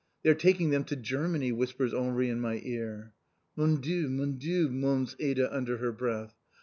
"They are taking them to Germany!" whispers Henri in my ear. "Mon Dieu, mon Dieu!" moans Ada under her breath.